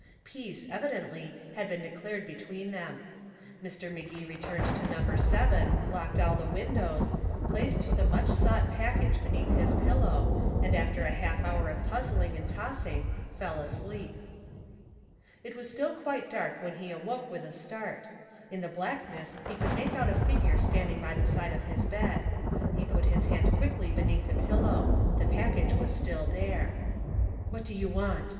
Peace, evidently, had been declared between them. Mr. Magee returned to number seven, locked all the windows, placed the much sought package beneath his pillow, and after a half hour of puzzling and tossing, fell asleep. It was still quite dark when he awoke with a start. In the blackness he could make out a figure standing by the side of his bed. He put his hand quickly beneath his pillow; the package was still there. "What do you want?"